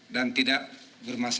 dan tidak bermaksud